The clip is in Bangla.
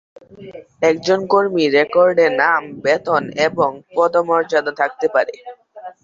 একজন কর্মী রেকর্ডে নাম, বেতন এবং পদমর্যাদা থাকতে পারে।